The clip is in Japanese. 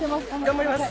頑張ります！